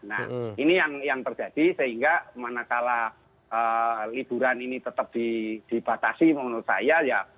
nah ini yang terjadi sehingga manakala liburan ini tetap dibatasi menurut saya ya